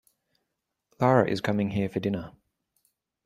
Lara is coming here for dinner.